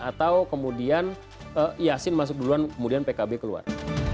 atau kemudian yasin masuk duluan kemudian pkb keluar